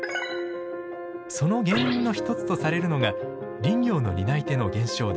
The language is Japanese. その原因の一つとされるのが林業の担い手の減少です。